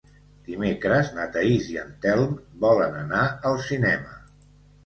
Dimecres na Thaís i en Telm volen anar al cinema.